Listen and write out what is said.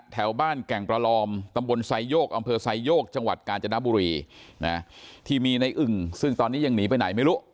แถวบ้านแก่งประลอมตำบลไซโยกอำเภอไซโยกจังหวัดกาญจนบุรีนะที่มีในอึ่งซึ่งตอนนี้ยังหนีไปไหนไม่รู้